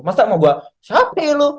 masa mau gue capek lu